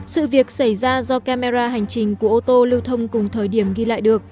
sự việc xảy ra do camera hành trình của ô tô lưu thông cùng thời điểm ghi lại được